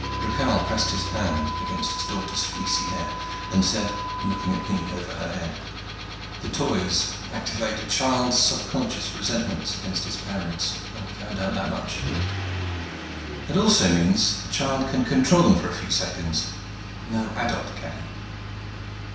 Rakhal pressed his hand against his daughter's fleecy hair and said, looking at me over her head, "The Toys activate a child's subconscious resentments against his parents I found out that much. That also means a child can control them for a few seconds. No adult can."